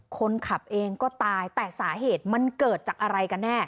คนขับเองก็ตายแต่สาเหตุมันเกิดจากอะไรกันแน่